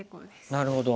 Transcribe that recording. なるほど。